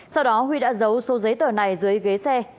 sau đó huy đã giấu số giấy tờ này dưới ghế xe